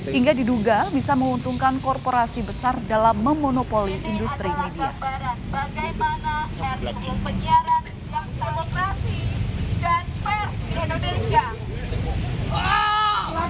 hingga diduga bisa menguntungkan korporasi besar dalam memonopoli industri ini